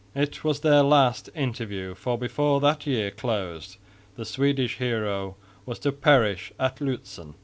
It was their last interview, for before that year closed the Swedish hero was to perish at Lützen.